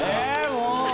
もう！